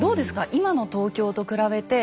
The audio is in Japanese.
今の東京と比べて。